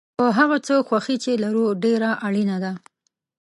په هغه څه خوښي چې لرو ډېره اړینه ده.